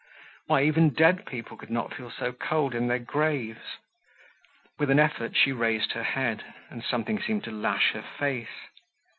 Why, even dead people could not feel so cold in their graves. With an effort she raised her head, and something seemed to lash her face.